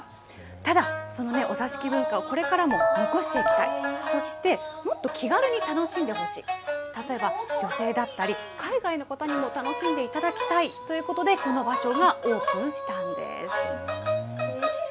ただ、そのお座敷文化をこれからも残していきたい、そして、もっと気軽に楽しんでほしい、例えば、女性だったり、海外の方にも楽しんでいただきたいということで、この場所がオープンしたんです。